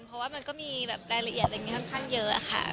เพราะว่ามันก็มีแบบรายละเอียดอะไรอย่างนี้ค่อนข้างเยอะค่ะ